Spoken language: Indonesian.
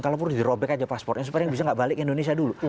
kalaupun dirobek aja paspornya supaya bisa nggak balik ke indonesia dulu